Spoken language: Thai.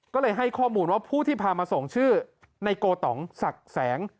ก็เลยให้ข้อมูลว่าผู้ที่พามาส่งชื่อในโกตองศักดิ์แสง